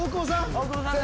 大久保さん